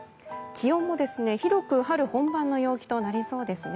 気温も広く春本番の陽気となりそうですね。